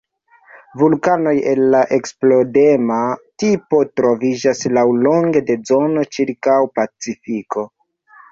Vulkanoj el la eksplodema tipo troviĝas laŭlonge de zono ĉirkaŭ Pacifiko.